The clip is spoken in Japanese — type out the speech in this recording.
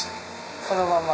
このまま。